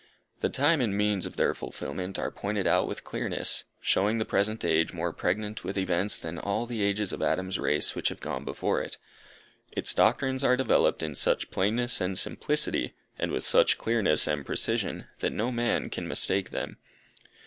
The time and means of their fulfilment are pointed out with clearness, showing the present age more pregnant with events than all the ages of Adam's race which have gone before it. Its doctrines are developed in such plainness and simplicity, and with such clearness and precision, that no man can mistake them.